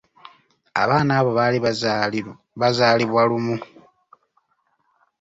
Abaana abo baali baazaalibwa lumu.